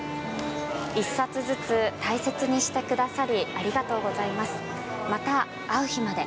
１冊ずつ大切にしてくださりありがとうございますまた会う日まで。